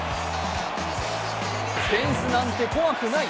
フェンスなんて怖くない。